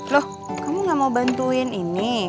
loh kamu gak mau bantuin ini